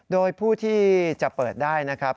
โดยผู้ที่จะเปิดได้นะครับ